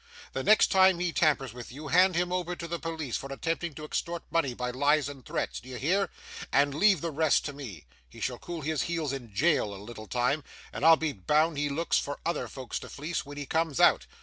The next time he tampers with you, hand him over to the police, for attempting to extort money by lies and threats, d'ye hear? and leave the rest to me. He shall cool his heels in jail a little time, and I'll be bound he looks for other folks to fleece, when he comes out.